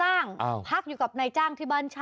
เราก่อนซ่างพักอยู่กับในจ้างที่บ้านเช่า